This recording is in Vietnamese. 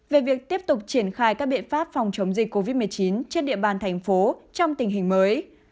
về việc tiếp tục triển khai các biện pháp phòng chống dịch covid một mươi chín trên địa bàn thành phố trong tình hình mới